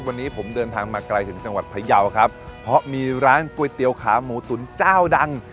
วันนี้ผมเดินทางมาไกลถึงจังหวัดพยาวครับเพราะมีร้านก๋วยเตี๋ยวขาหมูตุ๋นเจ้าดัง